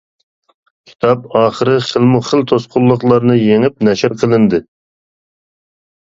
كىتاب ئاخىرى خىلمۇ خىل توسقۇنلۇقلارنى يېڭىپ نەشر قىلىندى.